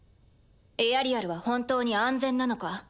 エアリアルは本当に安全なのか